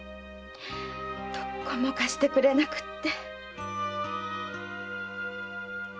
どこも貸してくれなくて！